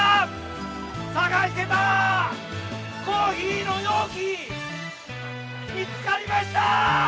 探してたコーヒーの容器見つかりました！